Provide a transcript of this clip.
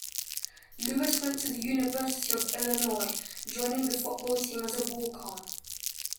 Lewis went to the University of Illinois, joining the football team as a walk-on.